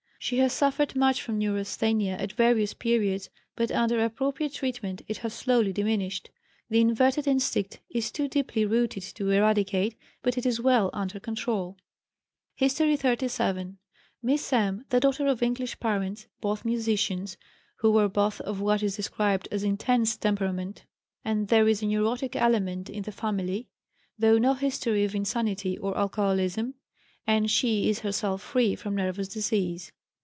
She has suffered much from neurasthenia at various periods, but under appropriate treatment it has slowly diminished. The inverted instinct is too deeply rooted to eradicate, but it is well under control. HISTORY XXXVII. Miss M., the daughter of English parents (both musicians), who were both of what is described as "intense" temperament, and there is a neurotic element in the family, though no history of insanity or alcoholism, and she is herself free from nervous disease.